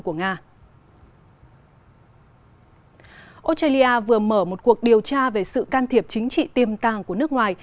australia vừa mở một cuộc điều tra về sự can thiệp chính trị tiềm tàng của nước ngoài